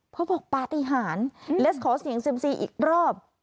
เขาบอกปฏิหารและขอเสียงเซ็มซีอีกรอบ